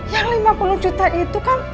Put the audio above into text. yang lima puluh juta itu kan